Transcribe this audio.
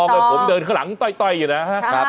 ให้ผมเดินข้างหลังต้อยอยู่นะครับ